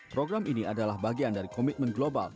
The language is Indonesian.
program ini adalah bagian dari komitmen global